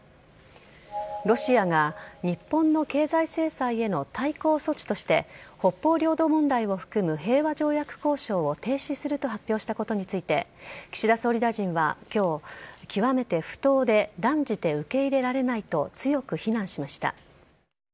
ロシアが日本の経済制裁への対抗措置として、北方領土問題を含む平和条約交渉を停止すると発表したことについて、岸田総理大臣はきょう、極めて不当で断じて受け入れられないと強く非難しました。